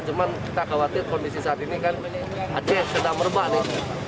cuma kita khawatir kondisi saat ini kan aceh sedang merubah nih